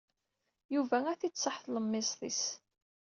Yuba ad t-id-tṣaḥ tlemmiẓt-is.